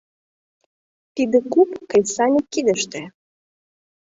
Тиде куп — кресаньык кидыште.